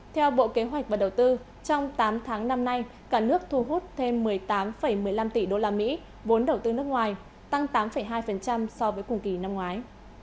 theo bộ kế hoạch và đầu tư trong tám tháng năm nay cả nước thu hút thêm một mươi tám một mươi năm tỷ usd vốn đầu tư nước ngoài tăng tám hai so với cùng kỳ năm ngoái